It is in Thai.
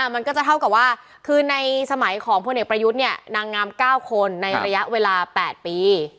มันก็จะเท่ากับว่าคือในสมัยของพลเอกประยุทธ์เนี่ยนางงาม๙คนในระยะเวลา๘ปี